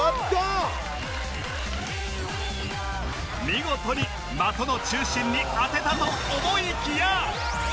見事に的の中心に当てたと思いきや